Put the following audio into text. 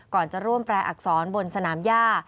ก่อนจะร่วมแปลอักษรบนสนามย่า